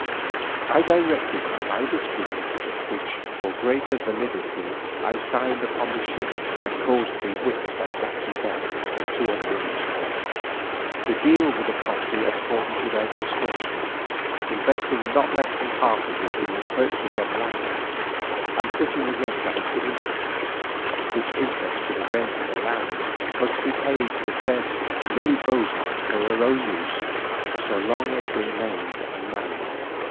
I directed them by this deed, which for greater validity I signed upon the ship and caused to be witnessed by Captain Bell and two other Englishmen, to deal with the property according to their discretion, investing not less than half of it in the purchase of lands and putting the rest out to interest, which interest with the rent of the lands was to be paid to the said Lily Bozard for her own use for so long as she remained unmarried.